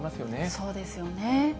そうですよね。